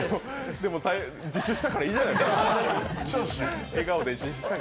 でも、自首したからいいじゃないですか。